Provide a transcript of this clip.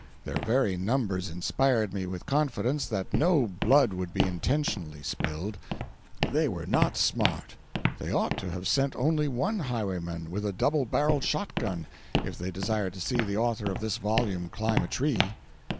Their very numbers inspired me with confidence that no blood would be intentionally spilled. They were not smart; they ought to have sent only one highwayman, with a double barrelled shot gun, if they desired to see the author of this volume climb a tree.